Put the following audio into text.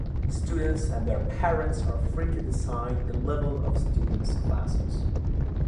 Students and their parents are free to decide the level of the students classes.